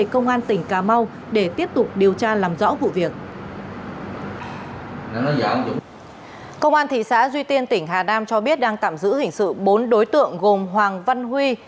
công an thị xã duy tiên tỉnh hà nam cho biết đang tạm giữ hình sự bốn đối tượng gồm hoàng văn huy